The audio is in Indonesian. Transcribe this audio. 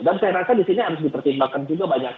dan saya rasa disini harus dipertimbangkan juga banyak hal